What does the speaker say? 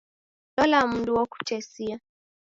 Lola mundu wokutesia.